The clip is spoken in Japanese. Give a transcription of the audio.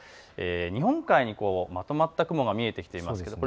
日本海にまとまった雲が見えてきています。